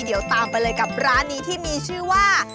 เดี๋ยวตามไปเลยกับร้านนี้ที่มีชื่อว่า